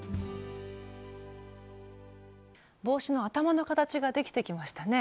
帽子の頭の形が出来てきましたね。